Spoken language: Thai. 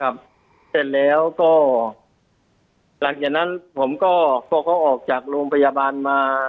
ครับเสร็จแล้วก็หลังจากนั้นผมก็พอเขาออกจากโรงพยาบาลมา